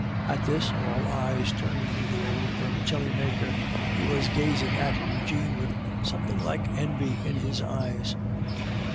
At this, all eyes turned to the old vermicelli maker; he was gazing at Eugene with something like envy in his eyes.